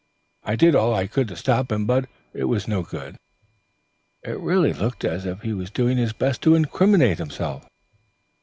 I did all I could to stop him, but it was no good. It really looked as if he was doing his best to incriminate himself."